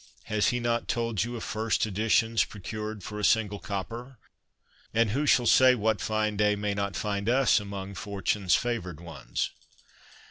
Has he not told you of first editions procured for a single copper ? And who shall say what fine day may not find us among Fortune's favoured ones